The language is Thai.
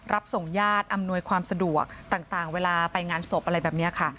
รับส่งญาติอำนวยความสะดวกต่างเวลาไปงานศพอะไรแบบนี้ค่ะ